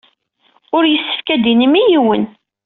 Ur yessefk ad tinim i yiwen.